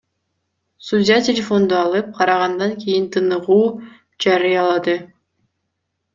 Судья телефонду алып, карагандан кийин тыныгуу жарыялады.